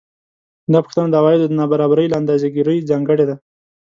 دا پوښتنه د عوایدو د نابرابرۍ له اندازه ګیرۍ ځانګړې ده